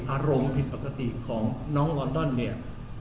อารมณ์ผิดปกติของน้องลอนดอนเนี่ย